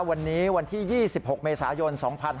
วันนี้วันที่๒๖เมษายน๒๕๖๒